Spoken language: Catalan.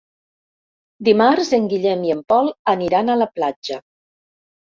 Dimarts en Guillem i en Pol aniran a la platja.